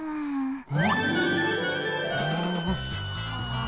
ああ。